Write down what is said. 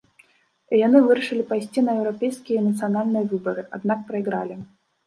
І яны вырашылі пайсці на еўрапейскія і нацыянальныя выбары, аднак прайгралі.